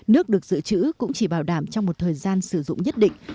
nước được giữ chữ cũng chỉ bảo đảm trong một thời gian sử dụng nhất định